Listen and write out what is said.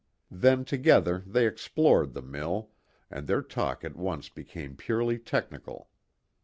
Then together they explored the mill, and their talk at once became purely technical.